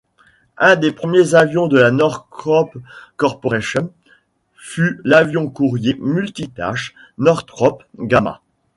Un des premiers avions de la Northrop Corporation fut l'avion courrier multi-tâche Northrop Gamma.